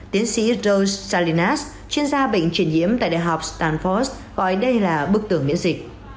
tiến sĩ john salinas chuyên gia bệnh truyền nhiễm tại đại học stanford gọi đây là bức tường miễn dịch